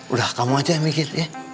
udah kamu aja yang bikin ya